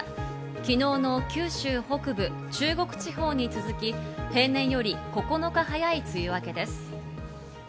昨日の九州北部、中国地方に続き、平年より９日早い梅雨明けです。